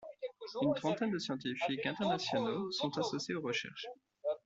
Une trentaine de scientifiques internationaux sont associés aux recherches.